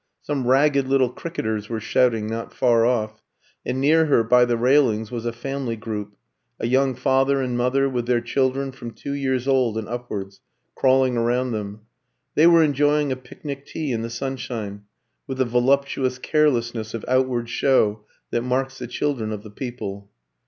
Some ragged little cricketers were shouting not far off, and near her, by the railings, was a family group a young father and mother, with their children, from two years old and upwards, crawling around them. They were enjoying a picnic tea in the sunshine, with the voluptuous carelessness of outward show that marks the children of the people.